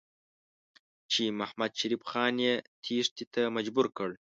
چې محمدشریف خان یې تېښتې ته مجبور کړ.